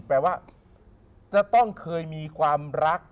แปลว่าจะต้องเคยมีความรัก